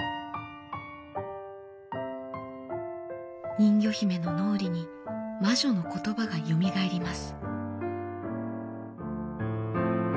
人魚姫の脳裏に魔女の言葉がよみがえります。